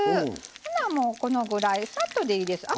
ほなもうこのぐらいサッとでいいです。